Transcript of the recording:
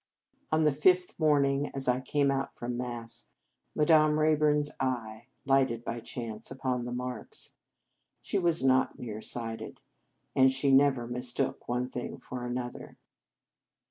On the fifth morning, as I came out from Mass, Madame Rayburn s eye lighted by chance upon the marks. She was not near sighted, and she never mistook one thing for another.